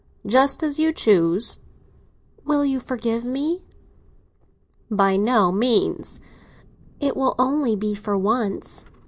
"Just as you choose." "Will you forgive me?" "By no means." "It will only be for once."